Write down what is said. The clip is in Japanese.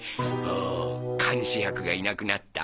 おお監視役がいなくなった。